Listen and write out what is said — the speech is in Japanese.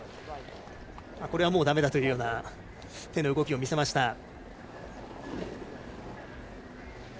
これはもうだめだというような手の動きを見せました。